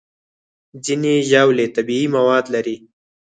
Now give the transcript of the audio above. ځینې ژاولې طبیعي مواد لري.